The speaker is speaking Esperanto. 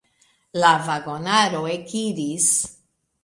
La vagonaro ekiris.